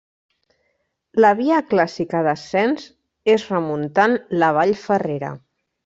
La via clàssica d'ascens és remuntant la Vall Ferrera.